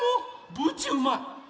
ぶちうまい！